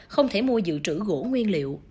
không thể mua dự trữ gỗ nguyên liệu